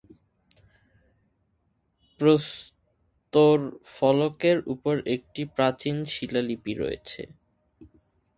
প্রস্তরফলকের উপর একটি প্রাচীন শিলালিপি রয়েছে।